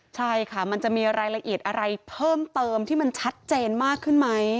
ใช่ค่ะมันจะมีรายละเอียดอะไรเพิ่มเติมที่มันชัดเจนมากขึ้นไหม